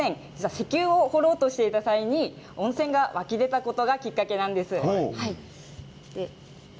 豊富温泉は大正１５年石油を掘ろうとして行った際に温泉が湧き出たことがきっかけなんです。